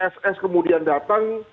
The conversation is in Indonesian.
fs kemudian datang